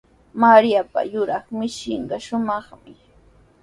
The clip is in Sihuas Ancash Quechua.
Mariapa yuraq mishinqa shumaqmi.